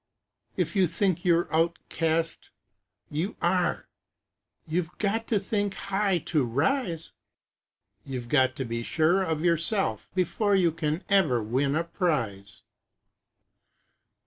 If you think you are outclassed, you are You've got to think high to rise, You've got to be sure of yourself before You can ever win a prize.